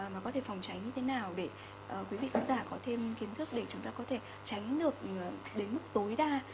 mà có thể phòng tránh như thế nào để quý vị khán giả có thêm kiến thức để chúng ta có thể tránh được đến mức tối đa